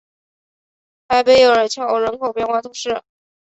埃贝尔桥人口变化图示